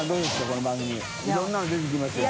この番組いろんなの出てきますよ。